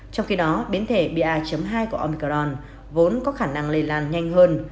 trong khi đó biến thể ba hai của omicron vốn có khả năng lây lan nhanh hơn